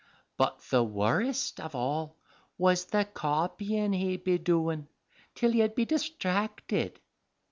But the worrest of all was the copyin' he'd be doin', till ye'd be distracted.